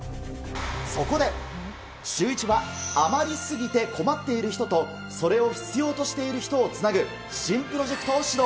そこで、シューイチは余り過ぎて困っている人と、それを必要としている人をつなぐ新プロジェクトを始動。